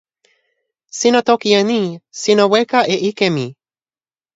sina toki e ni: sina weka e ike mi.